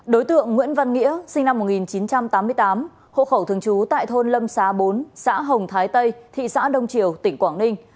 đối tượng nguyễn văn nghĩa sinh năm một nghìn chín trăm tám mươi tám hộ khẩu thường trú tại thôn lâm xá bốn xã hồng thái tây thị xã đông triều tỉnh quảng ninh